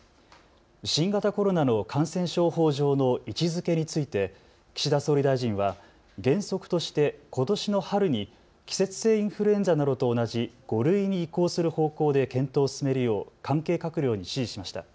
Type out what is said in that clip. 新型コロナの感染症法上の位置づけについて岸田総理大臣は原則として、ことしの春に季節性インフルエンザなどと同じ５類に移行する方向で検討を進めるよう関係閣僚に指示しました。